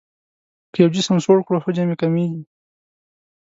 که یو جسم سوړ کړو حجم یې کمیږي.